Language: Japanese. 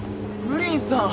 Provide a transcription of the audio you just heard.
プリンさん。